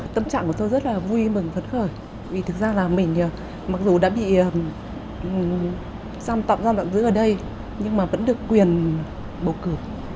tâm trạng của tôi rất là vui mừng phấn khởi vì thực ra là mình mặc dù đã bị giam tạm giam tạm giữ ở đây nhưng mà vẫn được quyền bầu cử